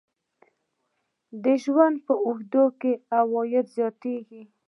د ژوند په اوږدو کې عواید زیاتیږي.